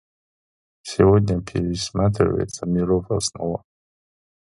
Сегодня пересматривается миров основа.